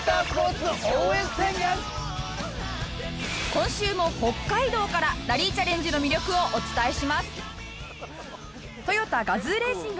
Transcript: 今週も北海道からラリーチャレンジの魅力をお伝えします